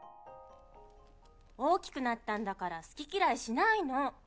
大きくなったんだから好き嫌いしないの！